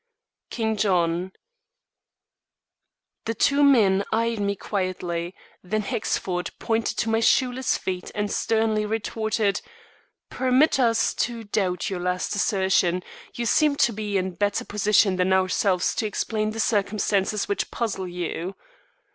King John. The two men eyed me quietly, then Hexford pointed to my shoeless feet and sternly retorted: "Permit us to doubt your last assertion. You seem to be in better position than ourselves to explain the circumstances which puzzle you."